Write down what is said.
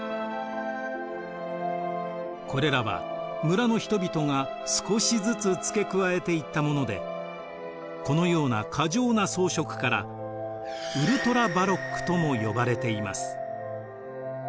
これらは村の人々が少しずつ付け加えていったものでこのような過剰な装飾からウルトラバロックとも呼ばれています。